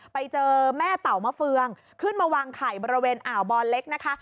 ไปเจอแม่เต่ามะเฟืองขึ้นมาวางไข่บริเวณอ่าวบอลเล็กนะคะ